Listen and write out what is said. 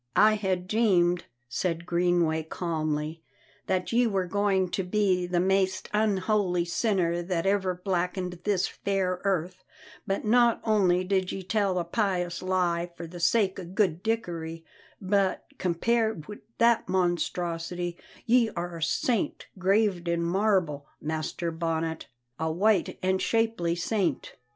"I had deemed," said Greenway calmly, "that ye were goin' to be the maist unholy sinner that ever blackened this fair earth; but not only did ye tell a pious lie for the sake o' good Dickory, but, compared wi' that monstrosity, ye are a saint graved in marble, Master Bonnet, a white and shapely saint."